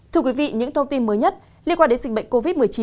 thưa quý vị những thông tin mới nhất liên quan đến dịch bệnh covid một mươi chín